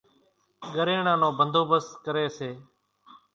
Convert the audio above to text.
ڳريڻان نو ڀنڌوڀست ڪريَ سي۔